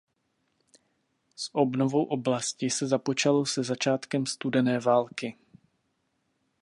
S obnovou oblasti se započalo se začátkem Studené války.